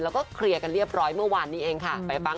แล้วก็เคลียร์กันเรียบร้อยเมื่อวานนี้เองค่ะไปฟัง